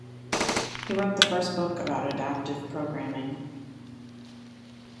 He wrote the first book about adaptive programming.